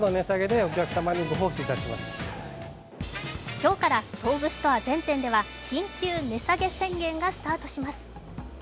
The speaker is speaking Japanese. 今日から東武ストア全店では緊急値下げ宣言がスタートします。